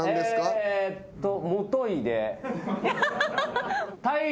えっともといで大漁！